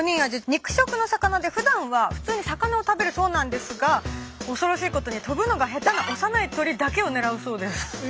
肉食の魚でふだんは普通に魚を食べるそうなんですが恐ろしいことに飛ぶのが下手な幼い鳥だけを狙うそうです。